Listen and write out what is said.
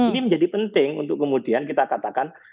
ini menjadi penting untuk kemudian kita katakan